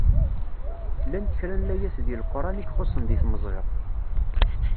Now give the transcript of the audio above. Llant kra n layat deg Leqran i ixuṣṣen deg tmeẓla.